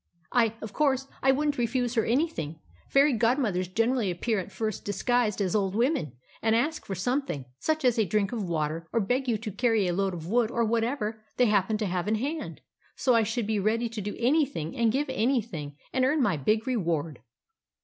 "I of course, I wouldn't refuse her anything. Fairy godmothers generally appear at first disguised as old women, and ask for something, such as a drink of water, or beg you to carry a load of wood or whatever they happen to have in hand. So I should be ready to do anything and give anything, and earn my big reward."